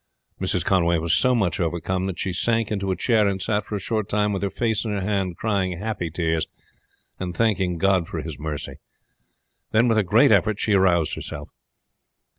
Mrs. Conway was so much overcome that she sank into a chair and sat for a short time with her face in her hand, crying happy tears and thanking God for his mercy. Then with a great effort she aroused herself.